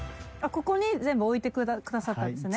ここに全部置いてくださったんですね。